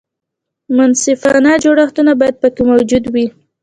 منصفانه جوړښتونه باید پکې موجود وي.